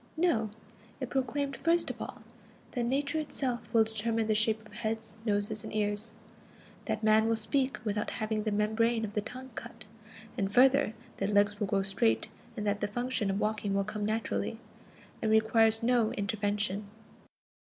No. It proclaimed first of all that Nature itself will determine the shape of heads, noses, and ears; that man will speak without having the membrane of the tongue cut; and further, that legs will grow straight and that the function of walking will come naturally, and requires no intervention.